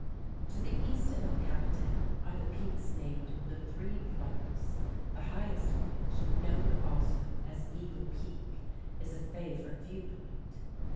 To the east of El Capitan are the peaks named the Three Brothers, the highest of which, known also as Eagle Peak, is a favorite viewpoint.